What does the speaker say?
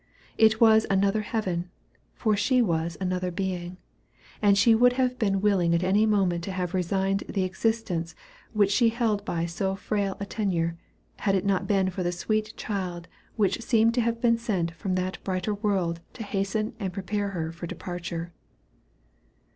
It was another heaven, for she was another being; and she would have been willing at any moment to have resigned the existence which she held by so frail a tenure, had it not been for the sweet child which seemed to have been sent from that brighter world to hasten and prepare her for departure.